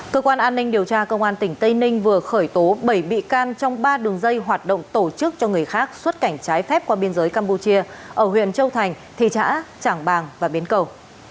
cơ quan an ninh điều tra công an tỉnh tây ninh vừa khởi tố bảy bị can trong ba đường dây hoạt động tổ chức cho người khác xuất cảnh trái phép qua biên giới campuchia ở huyện châu thành thị xã trảng bàng và biến cầu